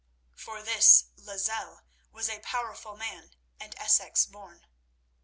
For this Lozelle was a powerful man and Essex born.